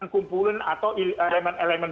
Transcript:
kumpulan atau elemen elemen